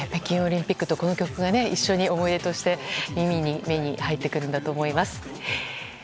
北京オリンピックとこの曲が一緒に思い出として耳に入ってくるんだと思います。